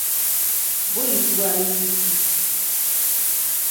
Buyitibwa luyiki.